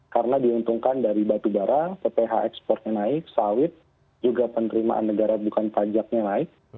karena diuntungkan dari batu barang pph ekspornya naik sawit juga penerimaan negara bukan pajaknya naik